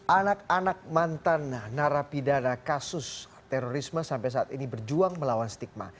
anak anak mantan narapidana kasus terorisme sampai saat ini berjuang melawan stigma